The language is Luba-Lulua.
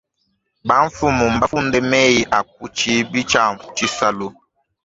Bamfumu mbafunde meyi a ku tshibi tshia tshisalu.